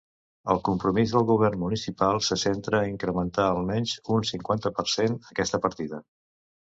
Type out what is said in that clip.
El compromís del govern municipal se centra a incrementar almenys un cinquanta per cent aquesta partida.